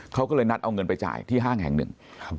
เขาก็เลยนัดเอาเงินไปจ่ายที่ห้างแห่งหนึ่ง